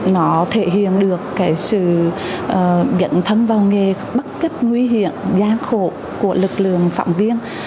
nó thể hiện được cái sự dẫn thân vào nghề bất cấp nguy hiểm gian khổ của lực lượng phạm viên